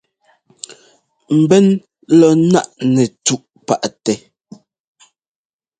Mbɛ́n lɔ ńnáꞌ nɛtúꞌ páꞌ tɛ.